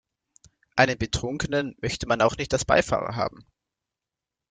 Einen Betrunkenen möchte man auch nicht als Beifahrer haben.